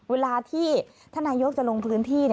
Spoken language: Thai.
เวลาที่ท่านายกรัฐมนตรีจะลงพื้นที่